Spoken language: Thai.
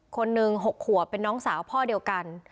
คนหนึ่ง๖ขวบเป็นน้องสาวพ่อเดียวกัน